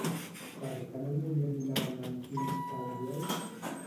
Pertany al moviment independentista l'Ariel?